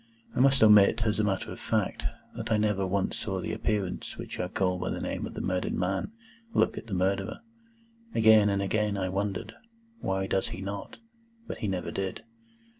I must not omit, as a matter of fact, that I never once saw the Appearance which I call by the name of the murdered man look at the Murderer. Again and again I wondered, "Why does he not?" But he never did.